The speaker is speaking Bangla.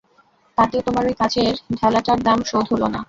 তাতেও তোমার ঐ কাঁচের ঢেলাটার দাম শোধ হল না?